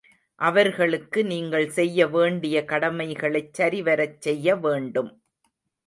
அவர்களுக்கு நீங்கள் செய்ய வேண்டிய கடமைகளைச் சரிவரச் செய்ய வேண்டும்.